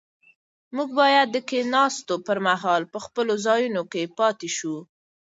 موږ باید د کښېناستو پر مهال په خپلو ځایونو کې پاتې شو.